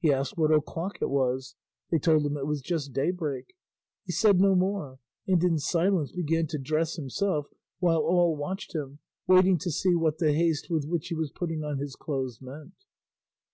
He asked what o'clock it was; they told him it was just daybreak. He said no more, and in silence began to dress himself, while all watched him, waiting to see what the haste with which he was putting on his clothes meant.